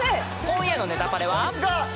［今夜の『ネタパレ』は］